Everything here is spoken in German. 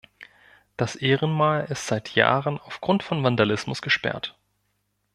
Das Ehrenmal ist seit Jahren aufgrund von Vandalismus gesperrt.